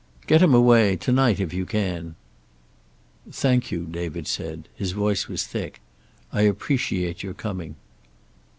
"Get him away, to night if you can." "Thank you," David said. His voice was thick. "I appreciate your coming."